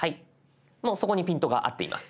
もうそこにピントが合っています。